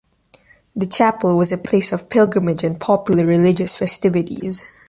The chapel was a place of pilgrimage and popular religious festivities.